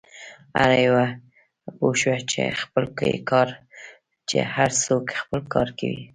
هر یو پوه شه، خپل يې کار، چې هر څوک خپل کار کوي.